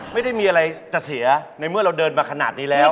ไม่ได้มีอะไรจะเสียในเมื่อเราเดินมาขนาดนี้แล้ว